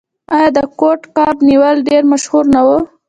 آیا د کوډ کب نیول ډیر مشهور نه و؟